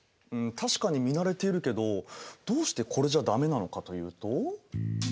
ん確かに見慣れているけどどうしてこれじゃダメなのかというと？